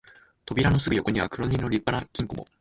扉のすぐ横には黒塗りの立派な金庫も、